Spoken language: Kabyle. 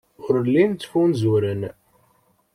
Ur llin ttfunzuren.